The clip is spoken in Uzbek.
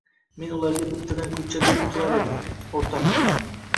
— Men ularga bittadan kulcha berib turar edim, o‘rtoq komandir.